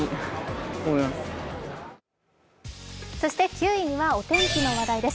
９位にはお天気の話題です